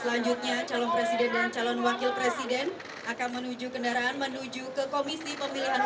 selanjutnya calon presiden dan calon wakil presiden akan menuju kendaraan menuju ke komisi pemilihan